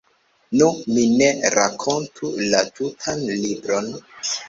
Nu, mi ne rakontu la tutan libron.